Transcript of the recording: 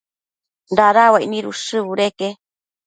dada uaic nid ushë budeque